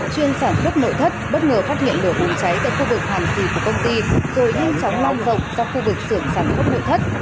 chuyên sản xuất nội thất bất ngờ phát hiện lửa bùng cháy tại khu vực hàn xì của công ty rồi nhanh chóng lan rộng ra khu vực xưởng sản xuất nội thất